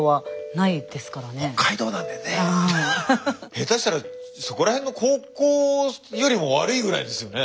下手したらそこらへんの高校よりも悪いぐらいですよね。